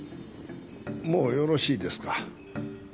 もうよろしいですか？